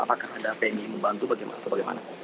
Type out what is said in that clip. apakah anda ingin membantu bagaimana